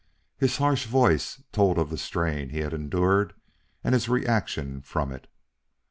His harsh voice told of the strain he had endured and his reaction from it.